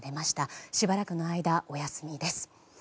しばらくの間お休みです。